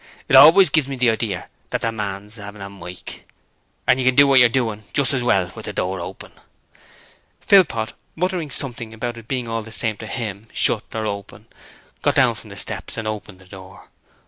'It always gives me the idear that the man's 'avin a mike. You can do what you're doin' just as well with the door open.' Philpot, muttering something about it being all the same to him shut or open got down from the steps and opened the door.